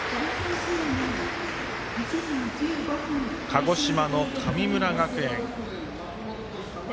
鹿児島の神村学園。